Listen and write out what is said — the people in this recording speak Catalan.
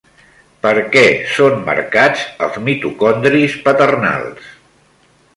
Per què són marcats els mitocondris paternals?